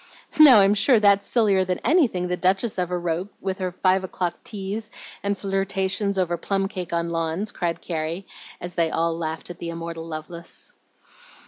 "Now, I'm sure that's sillier than anything the Duchess ever wrote with her five o'clock teas and flirtations over plum cake on lawns," cried Carrie, as they all laughed at the immortal Lovelace.